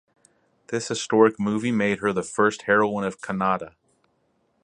This historic movie made her the first heroine of Kannada.